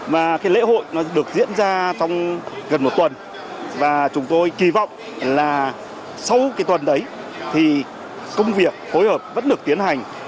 và lễ hội được diễn ra trong gần một tuần và chúng tôi kỳ vọng là sau tuần đấy thì công việc phối hợp vẫn được tiến hành